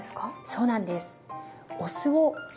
そうなんです。